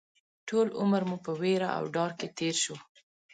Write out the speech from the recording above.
ټول عمر مو په وېره او ډار کې تېر شو